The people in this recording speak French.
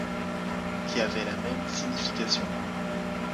qui avait la même signification.